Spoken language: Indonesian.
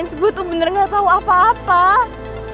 gue juga gak tau apa yang dilakuin sama deddy gue